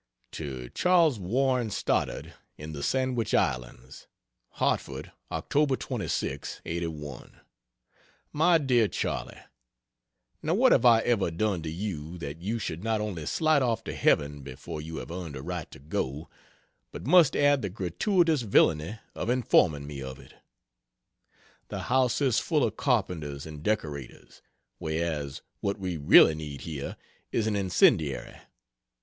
To Charles Warren Stoddard, in the Sandwich Islands: HARTFORD, Oct. 26 '81. MY DEAR CHARLIE, Now what have I ever done to you that you should not only slide off to Heaven before you have earned a right to go, but must add the gratuitous villainy of informing me of it?... The house is full of carpenters and decorators; whereas, what we really need here, is an incendiary.